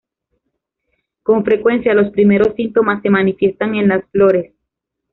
Con frecuencia, los primeros síntomas se manifiestan en las flores.